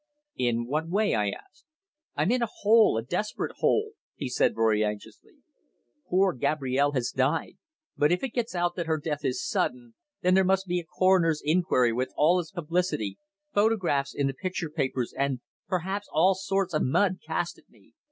"In what way?" I asked. "I'm in a hole a desperate hole," he said very anxiously. "Poor Gabrielle has died, but if it gets out that her death is sudden, then there must be a coroner's inquiry with all its publicity photographs in the picture papers, and, perhaps, all sorts of mud cast at me.